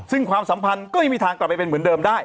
ซึ่งความสัมพันธ์ก็ยังมีทางกลับไปเป็นเหมือนเดิมได้